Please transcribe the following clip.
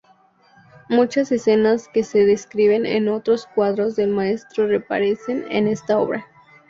Muchas escenas que se describen en otros cuadros del maestro reaparecen en esta obra.